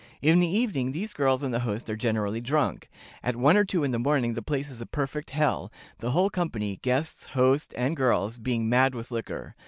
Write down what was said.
In the evening these girls and the host are generally drunk. At one or two in the morning the place is a perfect hell, the whole company, guests, host, and girls, being mad with liquor.